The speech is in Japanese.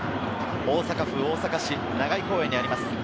大阪府大阪市長居公園にあります。